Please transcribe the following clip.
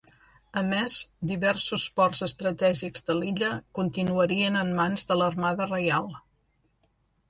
A més, diversos ports estratègics de l'illa continuarien en mans de l'Armada Reial.